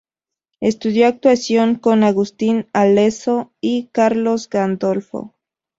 Estudió actuación con Agustín Alezzo y Carlos Gandolfo.